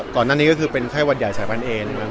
ก่อนนั้นก็เป็นค่ายหวัดใหญ่ชายพันเอก